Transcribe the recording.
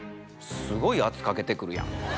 すごい圧かけてくるやん。